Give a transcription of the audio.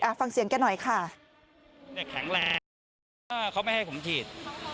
ฟังเสียงแกหน่อยค่ะเนี่ยแข็งแรงอ่าเขาไม่ให้ผมฉีด